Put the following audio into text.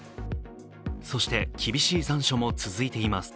そして、厳しい残暑も続いています。